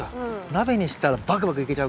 鍋にしたらバクバクいけちゃうか。